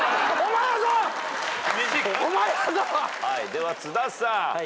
では津田さん。